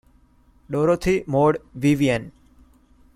Dorothy Maud Vivian.